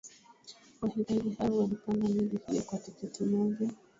wahitaji hao walipanda meli hiyo kwa tiketi moja